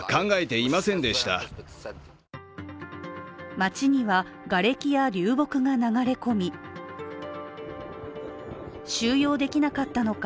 街にはがれきや流木が流れ込み収容できなかったのか